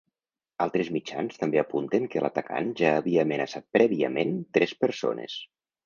Altres mitjans també apunten que l’atacant ja havia amenaçat prèviament tres persones.